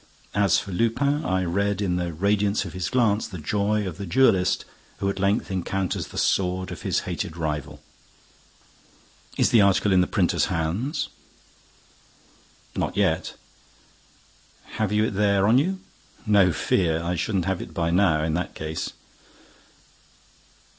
As for Lupin, I read in the radiance of his glance the joy of the duellist who at length encounters the sword of his hated rival. "Is the article in the printer's hands?" "Not yet." "Have you it there—on you?" "No fear! I shouldn't have it by now, in that case!"